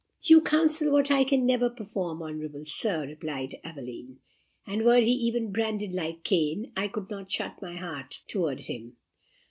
"You counsel what I can never perform, honourable Sir," replied Aveline; "and were he even branded like Cain, I could not shut my heart towards him.